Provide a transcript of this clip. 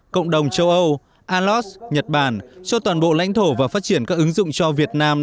cộng đồng châu âu alus nhật bản cho toàn bộ lãnh thổ và phát triển các ứng dụng cho việt nam